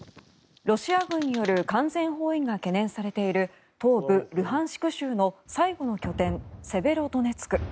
ロシア軍による完全包囲が懸念されている東部ルハンシク州の最後の拠点セベロドネツク。